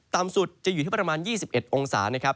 ตามสุดจะอยู่ที่ประมาณ๒๑องศา